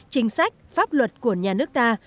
chính sách pháp luật của nhà nước ta